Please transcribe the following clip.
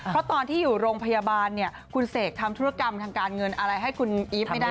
เพราะตอนที่อยู่โรงพยาบาลเนี่ยคุณเสกทำธุรกรรมทางการเงินอะไรให้คุณอีฟไม่ได้